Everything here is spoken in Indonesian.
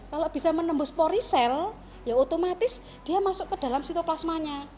kalau bisa menembus porisel ya otomatis dia masuk ke dalam sitoplasmanya